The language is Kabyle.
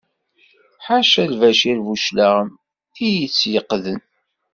Ḥaca Lbacir Buclaɣem i yi-tt-yetteqden.